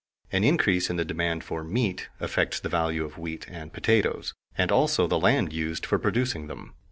An increase in the demand for meat affects the value of wheat and potatoes, and also the land used for producing them.